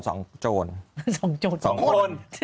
สองโจรสองคน